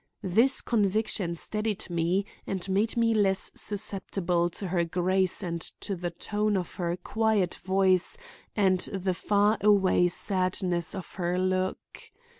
This conviction steadied me and made me less susceptible to her grace and to the tone of her quiet voice and the far away sadness of her look.